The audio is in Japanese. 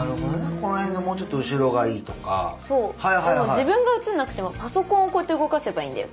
自分が移んなくてもパソコンをこうやって動かせばいいんだよ。